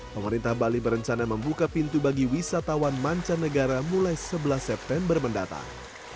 pemerintah bali berencana membuka pintu bagi wisatawan mancanegara mulai sebelas september mendatang